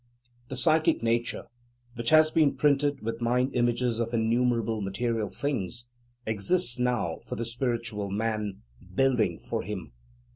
The psychic nature, which has been printed with mind images of innumerable material things, exists now for the Spiritual Man, building for him.